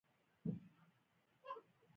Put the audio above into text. زه لیک ته نېټه لیکم.